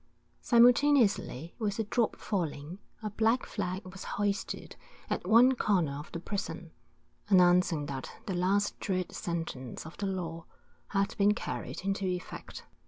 Simultaneously with the drop falling, a black flag was hoisted at one corner of the prison, announcing that the last dread sentence of the law had been carried into effect.